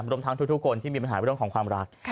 รวมทั้งทุกคนที่มีปัญหาเรื่องของความรัก